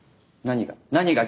何が？